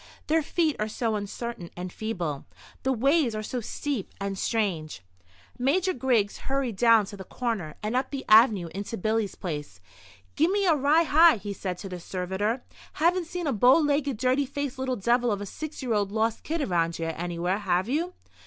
Their feet are so uncertain and feeble; the ways are so steep and strange. Major Griggs hurried down to the corner, and up the avenue into Billy's place. "Gimme a rye high," he said to the servitor. "Haven't seen a bow legged, dirty faced little devil of a six year old lost kid around here anywhere, have you?"